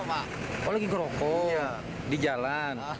masker yang diperlukan di jalan